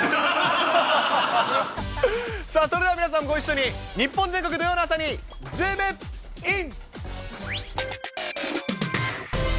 さあ、それでは皆さんご一緒に、日本全国土曜の朝にズームイン！！